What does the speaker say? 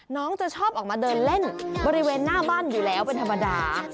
น้องจะชอบออกมาเดินเล่นบริเวณหน้าบ้านอยู่แล้วเป็นธรรมดา